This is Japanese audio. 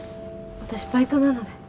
私バイトなので。